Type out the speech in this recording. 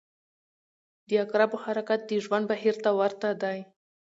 • د عقربو حرکت د ژوند بهیر ته ورته دی.